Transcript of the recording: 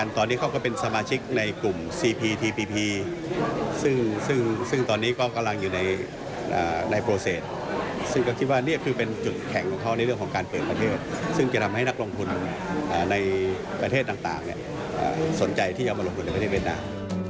ที่จะมาลงทุนไปในเวียดนาม